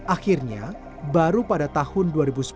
akhirnya baru pada tahun dua ribu sepuluh